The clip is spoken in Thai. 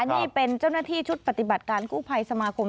นี่เป็นเจ้าหน้าที่ชุดปฏิบัติการกู้ภัยสมาคม